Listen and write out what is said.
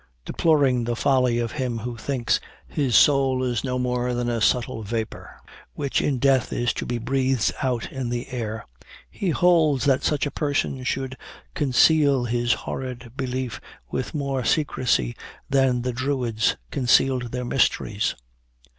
Deploring the folly of him who thinks "his soul is no more than a subtile vapor, which in death is to be breathed out in the air," he holds that such a person should "conceal his horrid belief with more secrecy than the Druids concealed their mysteries.